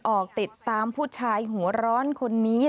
ออกติดตามผู้ชายหัวร้อนคนนี้